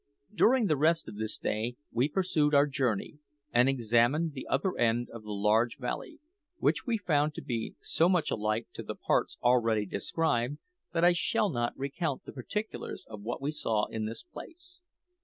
During the rest of this day we pursued our journey, and examined the other end of the large valley, which we found to be so much alike to the parts already described that I shall not recount the particulars of what we saw in this place.